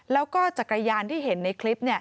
แล้วก็จักรยานที่เห็นในคลิป